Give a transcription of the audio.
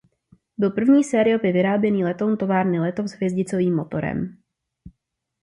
Byl první sériově vyráběný letoun továrny Letov s hvězdicovým motorem.